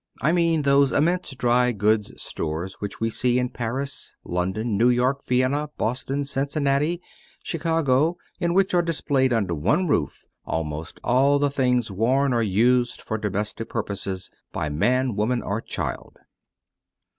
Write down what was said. I mean those immense dry goods stores which we see in Paris, London, New York, Vienna, Boston, Cincinnati, Chicago, in which are displayed under one roof almost all the things worn, or used for domestic purposes, by man, woman, or child.